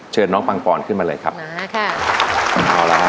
เชิญน้องปังปอนขึ้นมาเลยครับโอเค